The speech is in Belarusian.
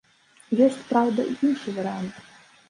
Ёсць, праўда, і іншы варыянт.